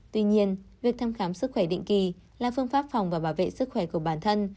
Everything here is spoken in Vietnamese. tuy nhiên việc thăm khám sức khỏe định kỳ là phương pháp phòng và bảo vệ sức khỏe của bản thân